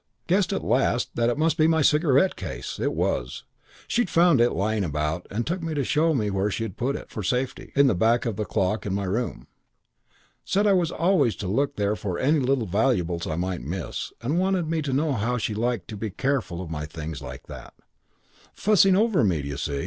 Guessed at last that it must be my cigarette case. It was. She'd found it lying about and took me to show where she'd put it for safety in the back of the clock in my room. Said I was always to look there for any little valuables I might miss, and wanted me to know how she liked to be careful of my things like that. Fussing over me, d'you see?